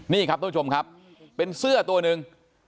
นี่ครับทุกผู้ชมครับเป็นเสื้อตัวหนึ่ง